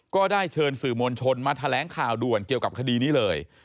ก็ได้เชิญสื่อมวลชนมาแถลงข่าวด่วนเกี่ยวกับคดีนี้เลย